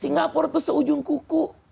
singapura itu seujung kuku